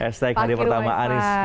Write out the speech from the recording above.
hashtag hari pertama anies